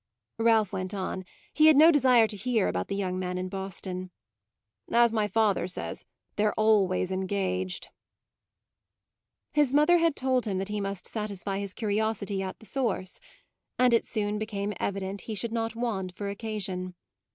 Ralph went on; he had no desire to hear about the young man in Boston. "As my father says, they're always engaged!" His mother had told him that he must satisfy his curiosity at the source, and it soon became evident he should not want for occasion.